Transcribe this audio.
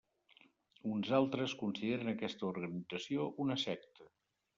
Uns altres consideren aquesta organització una secta.